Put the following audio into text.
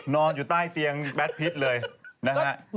นอนอยู่ใต้เตียงแบทพิษเลยนะฮะ